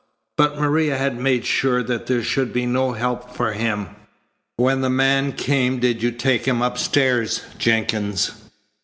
But Maria had made sure that there should be no help for him. When the man came did you take him upstairs, Jenkins?"